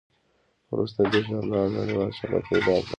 وروسته دې ژورنال نړیوال شهرت پیدا کړ.